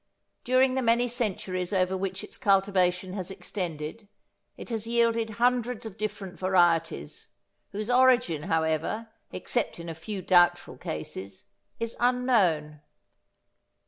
During the many centuries over which its cultivation has extended it has yielded hundreds of different varieties, whose origin, however, except in a few doubtful cases is unknown.